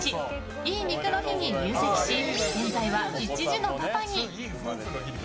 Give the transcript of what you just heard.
いい肉の日に入籍し現在は１児のパパに。